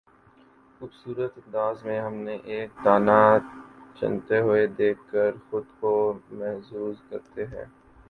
خوبصورت انداز میں ہم ان کو دانہ چنتے ہوئے دیکھ کر خود کو محظوظ کرتے ہیں